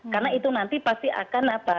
karena itu nanti pasti akan apa